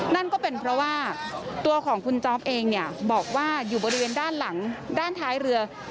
นั่นก็เป็นเพราะว่าตัวของคุณจ๊อปเองเนี่ยบอกว่าอยู่บริเวณด้านหลังด้านท้ายเรือ